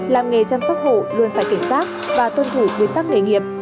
làm nghề chăm sóc hổ luôn phải kiểm soát và tuân thủ quy tắc nghề nghiệp